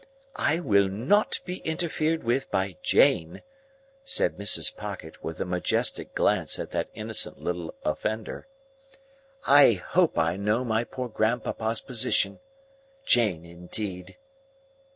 "I will not be interfered with by Jane," said Mrs. Pocket, with a majestic glance at that innocent little offender. "I hope I know my poor grandpapa's position. Jane, indeed!"